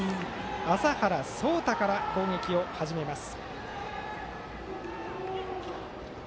麻原草太から攻撃が始まります。